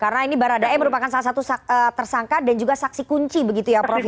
karena ini baradae merupakan salah satu tersangka dan juga saksi kunci begitu ya prof itu ya